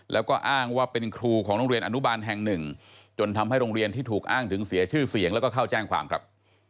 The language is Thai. แล้วก็อ้างว่าเป็นครูของโรงเรียนอนุบาลแห่งหนึ่งจนทำให้โรงเรียนที่ถูกอ้างถึงเสียชื่อเสียงแล้วก็เข้าแจ้งความครับ